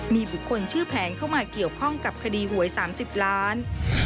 มีบุคคลชื่อแผงเข้ามาเกี่ยวข้องกับคดีหวย๓๐ล้าน